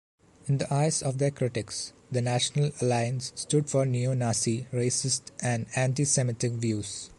In the eyes of their critics, the "National Alliance" stood for neo-Nazi, racist and anti-Semitic views.